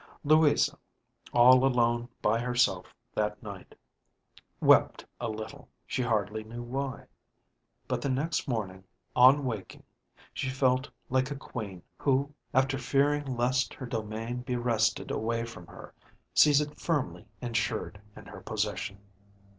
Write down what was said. Louisa, all alone by herself that night, wept a little, she hardly knew why, but the next morning, on waking, she felt like a queen who, after fearing lest her domain be wrested away from her, sees it firmly insured in her possession.